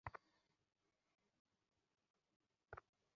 তিনি খলিফা হওয়ার পর উমাইয়াদের সুবিধা প্রদান করেন।